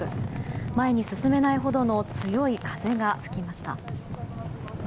前に進めないほどの強い風が吹きました。